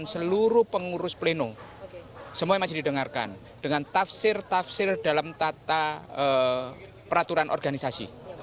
semua yang masih didengarkan dengan tafsir tafsir dalam tata peraturan organisasi